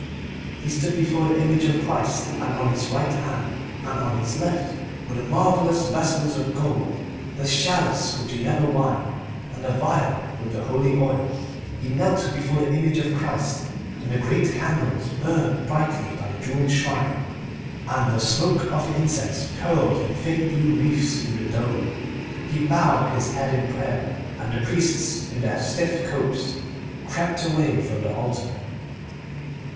He stood before the image of Christ, and on his right hand and on his left were the marvellous vessels of gold, the chalice with the yellow wine, and the vial with the holy oil. He knelt before the image of Christ, and the great candles burned brightly by the jewelled shrine, and the smoke of the incense curled in thin blue wreaths through the dome. He bowed his head in prayer, and the priests in their stiff copes crept away from the altar.